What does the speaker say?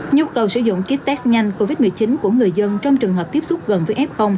nhu cầu sử dụng kit test nhanh covid một mươi chín của người dân trong trường hợp tiếp xúc gần với f